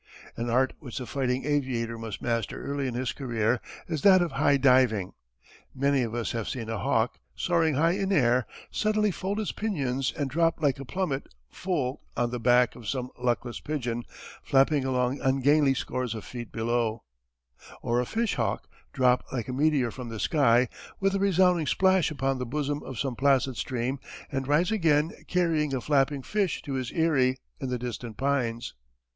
An art which the fighting aviator must master early in his career is that of high diving. Many of us have seen a hawk, soaring high in air, suddenly fold his pinions and drop like a plummet full on the back of some luckless pigeon flapping along ungainly scores of feet below, or a fishhawk drop like a meteor from the sky with a resounding splash upon the bosom of some placid stream and rise again carrying a flapping fish to his eyrie in the distant pines.